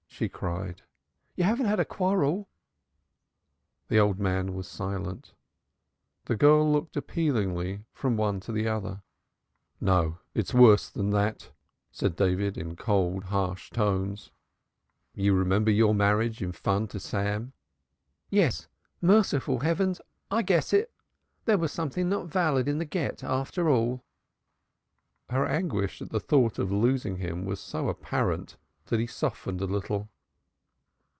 she cried. "You haven't had a quarrel?" The old man was silent. The girl looked appealingly from one to the other. "No, it's worse than that," said David in cold, harsh tones. "You remember your marriage in fun to Sam?" "Yes. Merciful heavens! I guess it! There was something not valid in the Gett after all." Her anguish at the thought of losing him was so apparent that he softened a little.